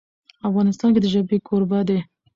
افغانستان د ژبې کوربه دی.